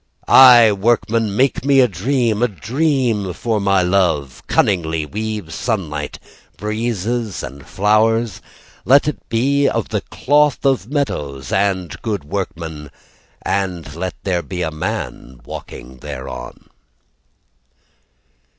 Aye, workman, make me a dream, A dream for my love. Cunningly weave sunlight, Breezes, and flowers. Let it be of the cloth of meadows. And good workman And let there be a man walking thereon.